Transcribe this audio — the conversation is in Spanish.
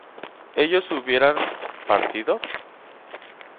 ¿ellos hubieran partido?